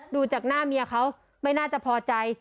ดูจากหน้าเมียเขาไม่น่าจะพอใจ